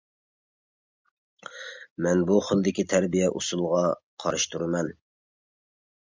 مەن بۇ خىلدىكى تەربىيە ئۇسۇلىغا قارشى تۇرىمەن.